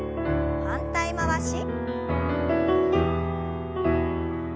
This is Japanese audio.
反対回し。